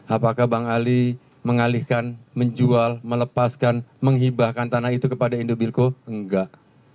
apakah bang ali mengalihkan menjual melepaskan menghibahkan tanah itu kepada indobilco enggak